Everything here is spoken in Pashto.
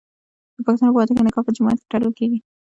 د پښتنو په واده کې نکاح په جومات کې تړل کیږي.